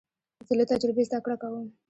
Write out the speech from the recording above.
زه له تجربې زده کړه کوم.